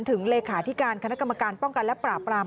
เลขาธิการคณะกรรมการป้องกันและปราบปราม